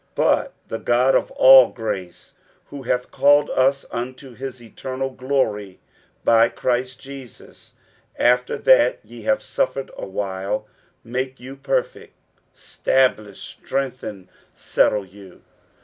60:005:010 But the God of all grace, who hath called us unto his eternal glory by Christ Jesus, after that ye have suffered a while, make you perfect, stablish, strengthen, settle you.